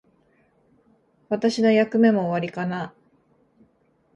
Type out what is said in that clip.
私の役目も終わりかな。